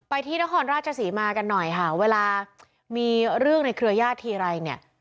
ที่นครราชศรีมากันหน่อยค่ะเวลามีเรื่องในเครือญาติทีไรเนี่ย